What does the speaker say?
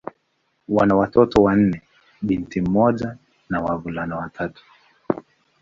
Wana watoto wanne: binti mmoja na wavulana watatu.